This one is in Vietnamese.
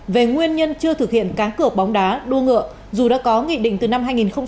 về nguyên nhân chưa thực hiện cá cửa bóng đá đua ngựa dù đã có nghị định từ năm hai nghìn một mươi